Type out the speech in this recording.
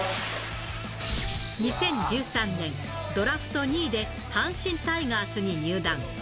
２０１３年、ドラフト２位で阪神タイガースに入団。